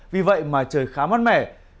vì vậy mà trời khá mát mẻ